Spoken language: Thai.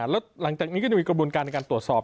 แล้วหลังจากนี้ก็จะมีกระบวนการในการตรวจสอบ